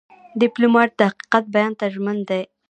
ډيپلومات د حقیقت بیان ته ژمن دی.